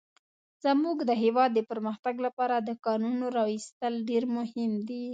زموږ د هيواد د پرمختګ لپاره د کانونو راويستل ډير مهم دي.